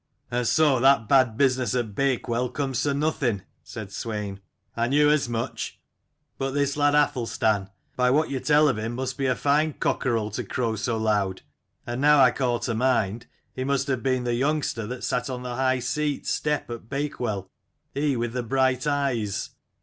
" And so that bad business at Bakewell comes to nothing?" said Swein. " I knew as much. But this lad Athelstan, by what you tell of him 40 must be a fine cockerel to crow so loud. And now I call to mind, he must have been the youngster that sat on the high seat step at Bakewell: he with the bright eyes."